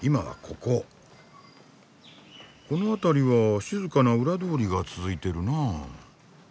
この辺りは静かな裏通りが続いてるなあ。